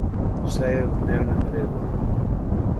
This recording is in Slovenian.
Vse je v dnevnem redu.